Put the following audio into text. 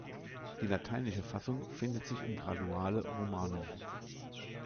Die lateinische Fassung findet sich im Graduale Romanum.